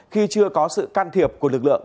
khi chưa có sự can thiệp của lực lượng